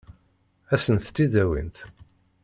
Ad sent-tt-id-awint?